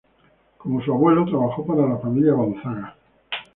Como su abuelo, trabajó para la Familia Gonzaga.